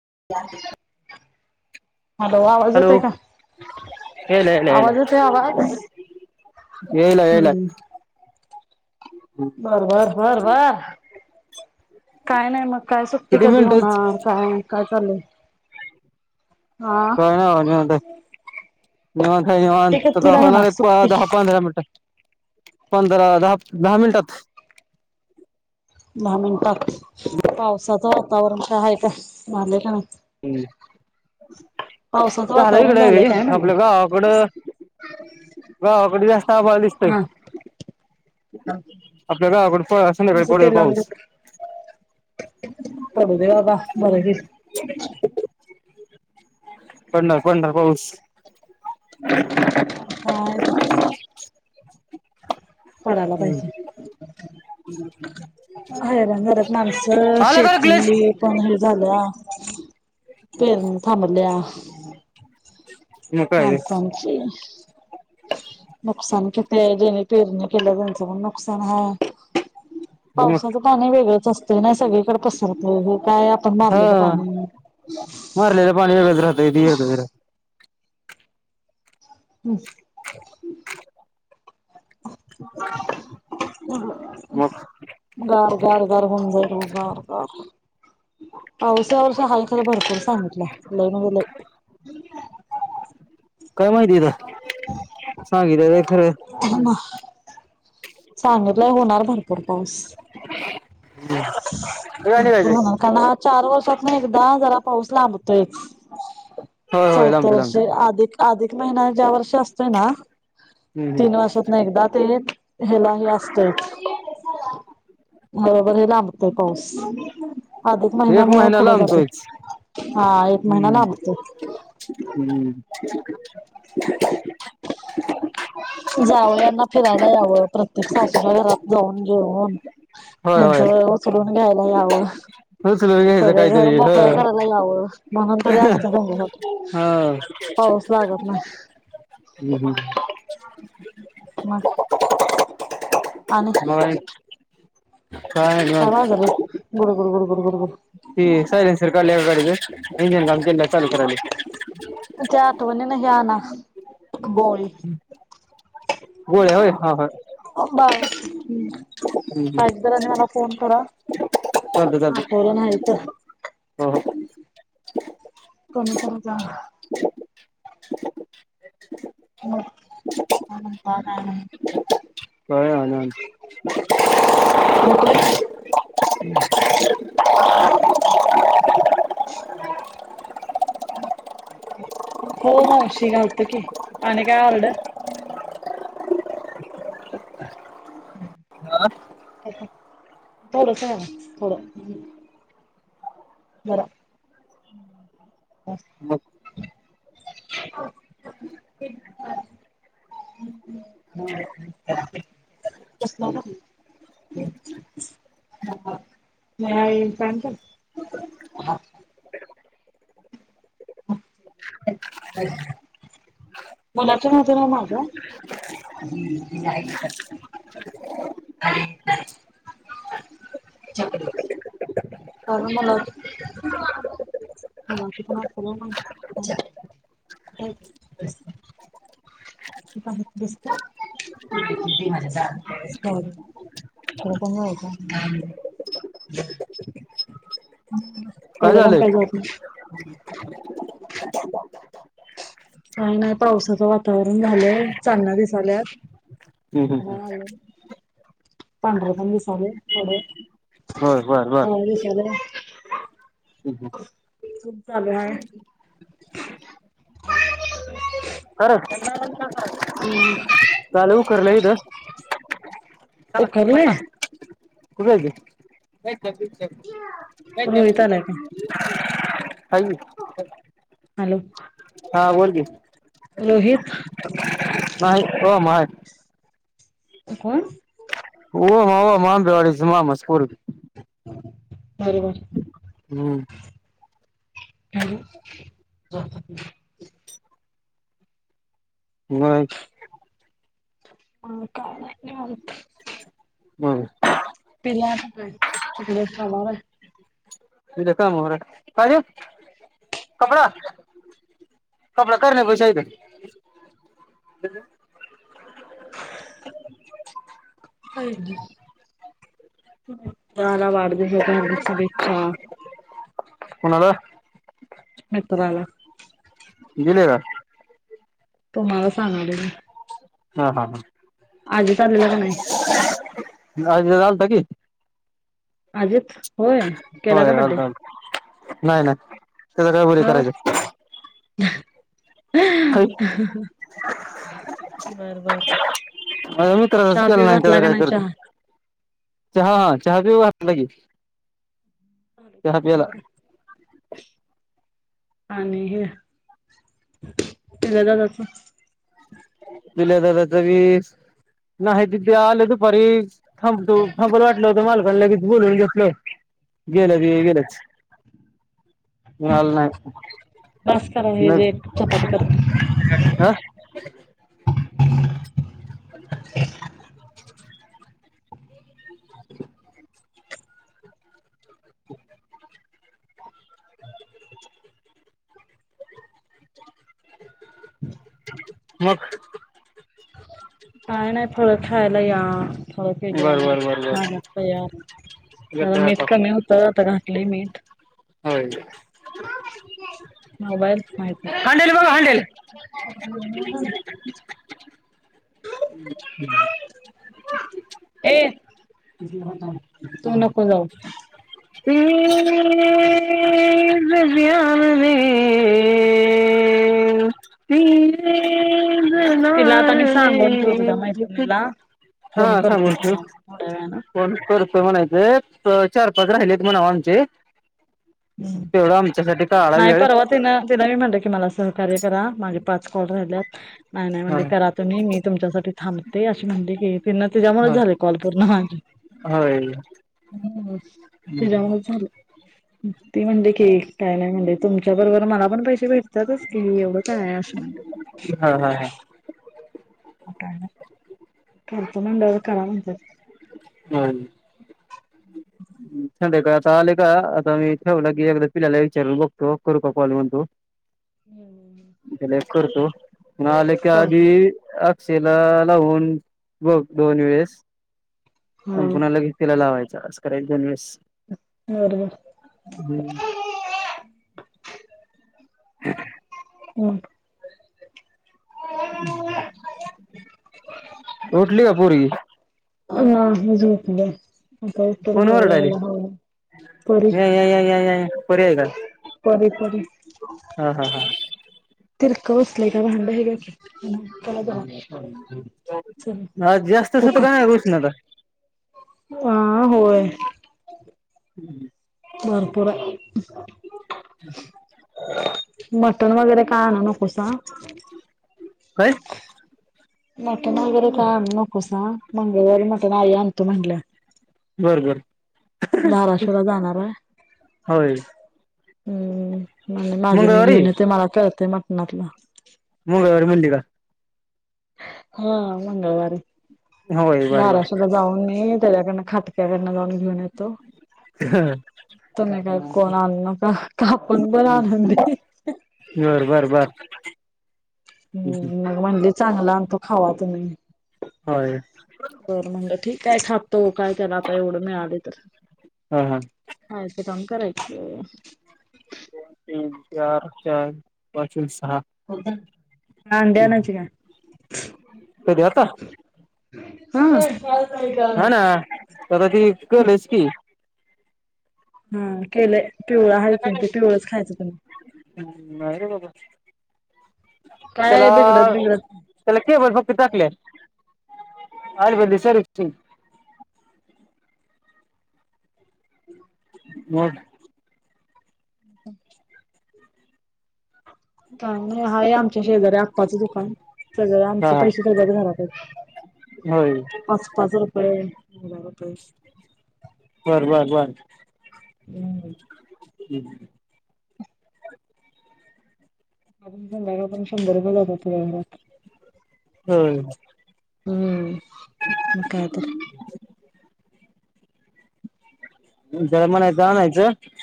ह. हॅलो ये ना. आवाज येतोय आवाज येला येला. हम्म बर बर बर बर. काय नाही मग काय सुटती किती कधी मिनिटच होणार काय काय चाले. हा. निवां काय निवन ते त कितीला होणार एक सुट्टी दहा पंधरा मिनट पंधरा दहा दहा मिनिटात दहा मिनटात पावसाचं वातावरण का आहे का झाले का नाही. हम्. पावसाचं झालं वातावरण इकडे झालंय काय आपलं म्हणलं गावाकड. गकडे जास्त आभला दिसतय. हा आपल्या गावाकडे पडला असं ना काही बडेल पाऊस करडू दे आबा बरं फिर. पंढर पंढर पाऊस हा. [inaudible] पडायला पाहिजे. हैर जरात माणसं आलं का रे शेती क्लच पण हे झालं. फेर थांबल्या. मग काय ते माणसांची नुकसान किती आहे जेणे. पेरणी केलं त्यांचं पण नुकसान आहे मग पावसाचं पाणी वेगळंच असत. ते नाही सगळीकडे पसरतो हे काय आपण हा मारलेलं पाणी मारलेलं पाणी वग राहतग. हम्. आहे. [inaudible] [unintelligible] मग वष औष हा त्याला भरपूर सांगितलंय लय म्हणजे लय... काय माहिती आहे मला सांगितलेल ते खरंय.. आम्हा... भपूर पाऊस.. ह... भरपूर होणार कारण हा चार वर्षातन एकदा जरा... पाऊस लांबतोच होय होय चौथ्या लांबतोय वर्षे लांबतोय अधिक- अधिक... महिना ज्या वर्षी असतोय ना... हम्म तीन वर्षांत न एकदा तरी हेला- हे फळ असतंच. बरोबर हे लांबतय पाऊस... अधिक हम्म एक महिन्यामुळ महिना पुढ लांबतोयच जातंय हा एक महिना हम्म लांबतो... हम्म... जावं यांना फिरायला यावं प्रत्येक सासूला घरात जाऊन.. घेऊन होय होय त्यांचं उचलून घ्यायला यावं... उचलून घ्यायचं सगळं घर काहीतरी ह मोकळ करायला यावं म्हणून तरी असतं सम... हा. पाऊस लागत ना अ ह... हम्म हम्... म... मग.... काय वाजलय रे गुड- गुड -गुड -गुड -गुड- गुड.... की सयलेनसर काढल्यावर गाडी इंजिन काम केला चालू करावी.... उद्या आठवणीन आना गोळी.. गोळ्या होय हा हा हो.... बर हम्म.... हम्म पाहीजे हम्म जरा मला फोन करा चालतंय हा चालतंय पोर नाही तर.... हो हो कोणीकडुन जाणार.... हो ह.... पाार कय हो... मतलबी.... हो मावशी घालतो की आणि काय ऑर्डर... ह.... हा अ.... थोडं सहन थोडं... बर.... मग ते... त.. ना म ये का का हा.... [unintelligible] मुलांचं होत ना माझ्या.... आणि... चकली.... कारण मला मला त पल ते.... तसत म्हणत कण हो का काय मुलं दोन झालंय पाहिजे होती.... काही नाही पावसाचं वातावरण झालंय चांदण्या दिसाल्यात. हम्म हम्म हम्म..... पांढर पण दिसालंय थोड बर बर बर काळं हम्म दिसालय. हम्म. खूप चालू आहे. का रं का लई उकरलय हित उकरलय? कुठं हाय रोहित आलाय का ते [inaudible] हॅलो. हा बोल की रोहित नाही हो माय कोण? हो हो मांजरवाडीच मामा च पोरगं बरोबर. हम्म. हॅलो. बस काल [unintelligible] मग पिल्याकड तिकडे जाणार आहे. कामावर हाय काय ते कपडा कपडा कर नाही पैसे हाय इथं [inaudible] पहिली तुम्हाला वाढदिवसाच्या हार्दिक शुभेच्छा. कुणाला? मित्राला गेले का? तुम्हाला सांगालोय मी. हा हा हा. आजीत आलेला का नाही? ना आलता की अजित होय केला का होय बड्डे? आलता आलता नाही नाही त्याचा काय बडे का करायचं? बरं बरं. माझ्या मित्राचाच केला नाही आणि त्याचं का काय नाही करती? चहा चहा हा चहा पिऊ घातला की. हो. चहा प्याला [inaudible] आणि हे दिल्या दादाचं? दिल्या दादाच वीस नाही ति ते आले दुपारी थांबतो थांबल वाटलं होता मालकांन लगेच बोलवून घेतल गेलं ते गेलंच मग आला नाय. बास करा हे जे एक चपाती करतो. हा [inaudible] [inaudible] [inaudible] [inaudible] मग थोड केलय बर बर बर बर झाल्यात तैयार जरा येतोय मीठ आता कमी होतं आता घातलना घातलं मीठ होय. मोबाईल माहित हांडेल बघा हांडेल नाही. [unintelligible] [unintelligible] ए [unintelligible] तू नको जाऊ. [unintelligible] [unintelligible] [unintelligible] तिला आता मी सांगून ठेवतो त्या मैत्रिणीला हा फोन करतो सांगून ठेव पुन्हा थोड्या वेळानं फोन करतो. होय, म्हणायचंय चार पाच राहिलेत म्हणावं आमचे. तेवढं आमच्यासाठी काढा नाही वेळ परवा तिनं तिला मी म्हटलं की मला सहकार्य करा. मागे पाच काॅल राहिल्यात -‍- नाही नाही हा म्हटली, करा तुम्ही मी तुमच्यासाठी थांबते अशी म्हणली कि ती तिच्यामुळेच हा झाले कॉल पूर्ण माझे. होय. हम तिझ्यामुळंचं झालं. ती म्हणली कि काय नाही म्हणली, तुमच्या बरोबर मला पण पैसे भेटतातच की, एवढं काय आहे अशी म्हणली‌. हा हा हा. काय नाही करतो म्हणल्याव करा म्हणतात. होय. [inaudible] संध्याकाळी आता आले का आता मी ठेवला की एकदा पिल्याला विचारून बघतो, करू का कॉल म्हणतो? हम हम. त्याला एक करतो, पण आले का आधी हिला लावून बघ दोन वेळेस हा आणि पुना लगेच तिला लावायचं. जरा असं करायचं दोन वेळस. बरोबर. [unintelligible] हम. उठली का पोरगी? नाही झोपली या. कोन परी वरडालंय या या या परी आहे का? परी परी. हा हा तिरक बसलंय का भांड हे घ्या कि. हा चल आज जास्तच हो होतं का. काय उष्णता हा होय. भरपुर आहे. [unintelligible] मटण वगैरे काय आणू नकोसा काय? मटन वगैरे काय आणू नकोसा मंगळवारी मटण आई आणतो म्हटल्या. बर बर धाराशिवला जाणार आहे. होय हम म्हणल्या माझं मी माझं मंगळवारी घेऊन येतो, मला कळतंय मटणातलं मंगळवारी म्हणली का? हा मंगळवारी. होय बर धाराशिवला जाऊन मी त्याच्याकडनं खाटक्या कडनं जाऊन घेऊन येतो. बर तुम्ही काय कोण आणू नका, कापूण पण आणू देईन. बरं बरं बरं. हम म म्हणली चांगल आणतो खावा तुम्ही. होय. बरं म्हणलं ठीक हाय, खातो काय त्याला आता एवढं मिळालय तर. हा हा खायच काम करायचं. तीन चार चार पाचस कोणता? हम् कधी आता हा हा. ना करा की केलस की, हम्म केलय. तिला का नाय घेतली हम् नाय र बाबा काय त्याला बिघडत बिघडत त्याला केबलं फक्त टाकल्या आयुर्वेदी सर थी होना. [inaudible] काय नाय आहे आमच्या शेजारी आप्पाचं दुकान सगळं आमच हा पैसे सगळ्याच घरात आहेत. होय पाच पाच रुपये दहा रुपये बर बर बर हम् [inaudible] अजून पण [unintelligible] शंभर रुपये जातात त्याज्या घरात होय. हम्म म कायतर जर्मनाच आंनायचं